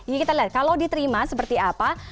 ini kita lihat kalau diterima seperti apa